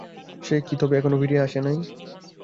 সে কি তবে এখনও ফিরিয়া আসে নাই?